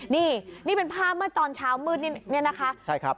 นี่เป็นภาพเมื่อตอนเช้ามืดนี้นะคะ